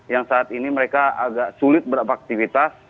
yang saat ini mereka agak sulit berapa aktivitas